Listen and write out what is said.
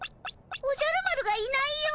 おじゃる丸がいないよ。